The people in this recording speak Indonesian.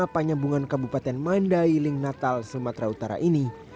penyambungan kabupaten mandailing natal sumatera utara ini